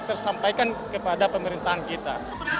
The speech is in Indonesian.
tersampaikan kepada pemerintahan kita